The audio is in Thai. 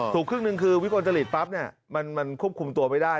ครึ่งหนึ่งคือวิกลจริตปั๊บเนี่ยมันควบคุมตัวไม่ได้